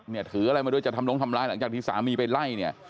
ถืออะไรมาด้วยจะทำลงทำร้ายหลังจากที่สามีไปไล่เนี่ย